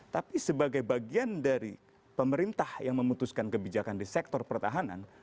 tapi sebagai bagian dari pemerintah yang memutuskan kebijakan di sektor pertahanan